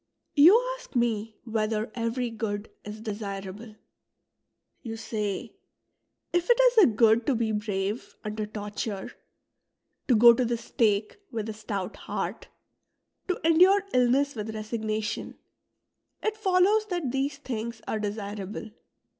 '' You ask me whether every good is desirable. You say :" If it is a good to be brave under torture, to go to the stake with a stout heart, to endure illness with resignation, it follows that these things are desirable.